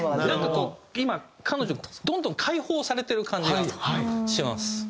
なんかこう今彼女どんどん解放されてる感じがします。